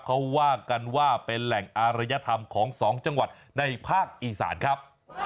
เขาว่ากันว่าเป็นแหล่งอารยธรรมของสองจังหวัดในภาคอีสานครับ